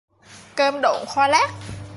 Cơm độn khoai lát